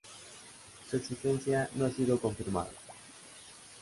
Su existencia no ha sido confirmada.